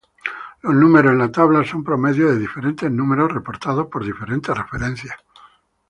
Los números en la tabla son promedios de diferentes números reportados por diferentes referencias.